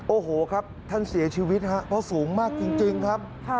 โอ้โหครับท่านเสียชีวิตครับเพราะสูงมากจริงครับ